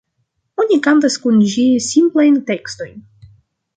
Oni kantas kun ĝi simplajn tekstojn.